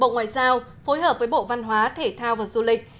bộ ngoại giao phối hợp với bộ văn hóa thể thao và du lịch